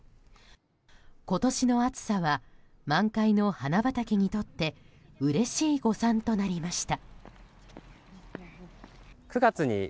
今年の暑さは満開の花畑にとってうれしい誤算となりました。